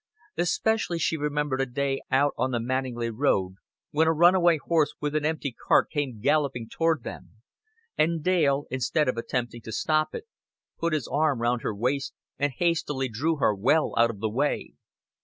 Especially she remembered a day out on the Manninglea road when a runaway horse with an empty cart came galloping toward them, and Dale, instead of attempting to stop it, put his arm round her waist and hastily drew her well out of the way.